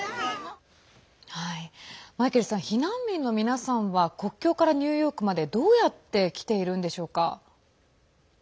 マイケルさん避難民の皆さんは国境からニューヨークまでどうやってきているんでしょうか？